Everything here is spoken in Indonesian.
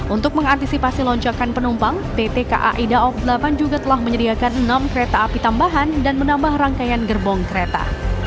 untuk mengantisipasi lonjakan penumpang pt kai daob delapan juga telah menyediakan enam kereta api tambahan dan menambah rangkaian gerbong kereta